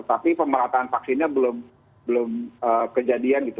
tapi pemerataan vaksinnya belum kejadian gitu